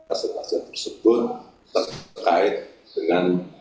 aset aset tersebut terkait dengan